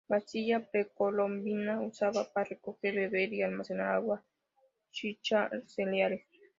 Vasija precolombina usada para recoger, beber y almacenar agua, chicha, cereales.